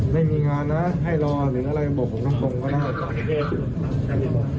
ไม่มีงานนะให้รอหรืออะไรบอกผมทางตรงก็ได้